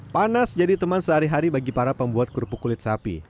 panas jadi teman sehari hari bagi para pembuat kerupuk kulit sapi